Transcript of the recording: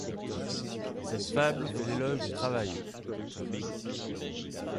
Cette fable fait l'éloge du travail.